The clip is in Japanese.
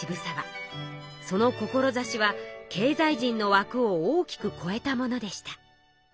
その志は経済人の枠を大きくこえたものでした。